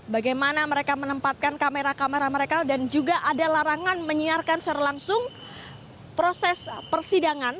bagaimana mereka menempatkan kamera kamera mereka dan juga ada larangan menyiarkan secara langsung proses persidangan